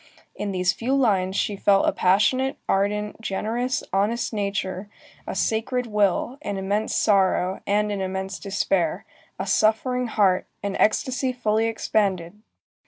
In these few lines she felt a passionate, ardent, generous, honest nature, a sacred will, an immense sorrow, and an immense despair, a suffering heart, an ecstasy fully expanded.